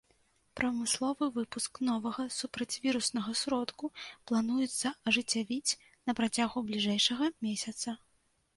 Прамысловы выпуск новага супрацьвіруснага сродку плануецца ажыццявіць на працягу бліжэйшага месяца.